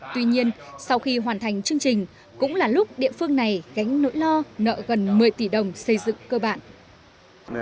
tuy nhiên sau khi hoàn thành chương trình cũng là lúc địa phương này gánh nỗi lo nợ gần một mươi tỷ đồng xây dựng cơ bản